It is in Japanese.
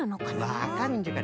わかるんじゃから。